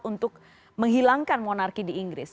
untuk menghilangkan monarki di inggris